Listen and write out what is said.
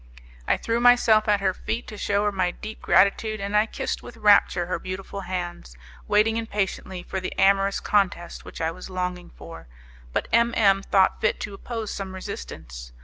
I threw myself at her feet to shew her my deep gratitude, and I kissed with rapture her beautiful hands, waiting impatiently for the amorous contest which I was longing for; but M M thought fit to oppose some resistance.